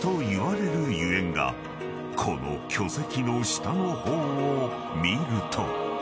［この巨石の下の方を見ると］